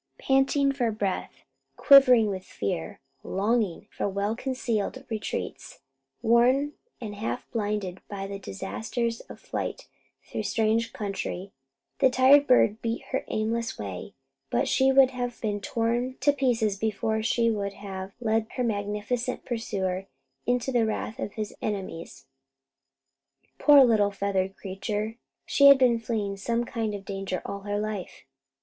Panting for breath, quivering with fear, longing for well concealed retreats, worn and half blinded by the disasters of flight through strange country, the tired bird beat her aimless way; but she would have been torn to pieces before she would have led her magnificent pursuer into the wrath of his enemies. Poor little feathered creature! She had been fleeing some kind of danger all her life.